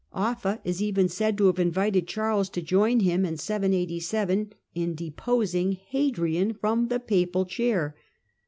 Offa is even said to have invited Charles to join him, in 787, in deposing Hadrian from the Papal chair.